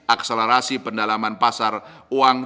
akselerasi pendalaman pasar uang